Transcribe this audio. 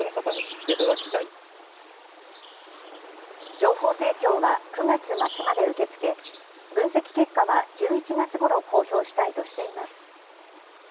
情報提供は９月末まで受け付け分析結果は１１月ごろ公表したいとしています。